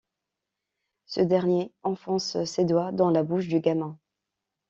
Ce dernier enfonce ses doigts dans la bouche du gamin.